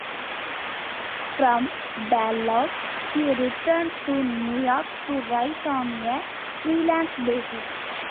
From Dallas, he returned to New York to write on a freelance basis.